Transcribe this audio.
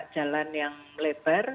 jalan yang lebar